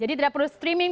jadi tidak perlu streaming